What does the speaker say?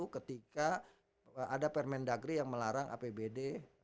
ketika ada permendagri yang melarang apbd